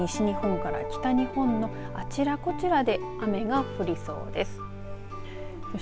あすにかけても西日本から北日本のあちらこちらで雨が降りそうです。